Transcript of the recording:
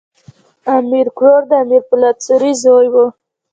امیر کروړ د امیر پولاد سوري زوی وو.